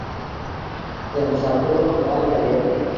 له مسافرو احوال لرې؟